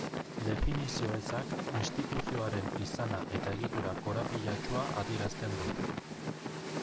Definizio ezak instituzioaren izana eta egitura korapilatsua adierazten du.